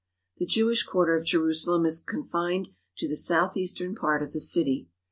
The Jewish quarter of Jerusalem is confined to the southeastern part of the city.